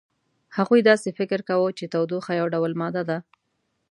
هغوی داسې فکر کاوه چې تودوخه یو ډول ماده ده.